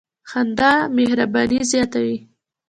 • خندا مهرباني زیاتوي.